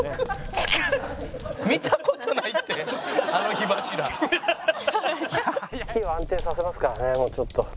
火を安定させますかねもうちょっと。